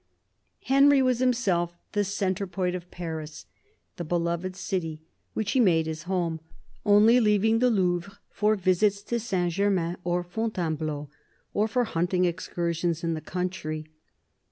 Henry was himself the centre point of Paris, the be loved city, which he made his home, only leaving the Louvre for visits to Saint Germain and Fontainebleau, or for hunting excursions in the country.